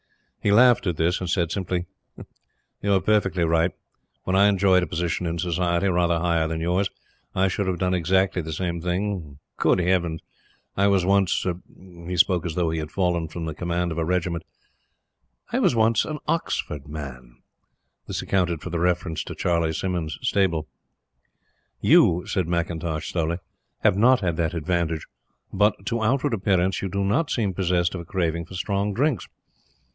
He laughed at this, and said simply: "You are perfectly right. When I enjoyed a position in society, rather higher than yours, I should have done exactly the same thing, Good Heavens! I was once" he spoke as though he had fallen from the Command of a Regiment "an Oxford Man!" This accounted for the reference to Charley Symonds' stable. "You," said McIntosh, slowly, "have not had that advantage; but, to outward appearance, you do not seem possessed of a craving for strong drinks.